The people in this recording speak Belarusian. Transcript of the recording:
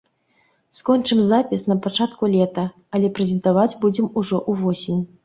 Скончым запіс на пачатку лета, але прэзентаваць будзем ужо ў восень.